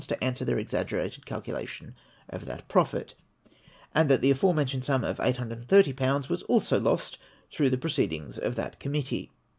to answer their exaggerated calculation of that profit ? and that the aforementioned sum of 830/. was also lost through the proceedings of that Committee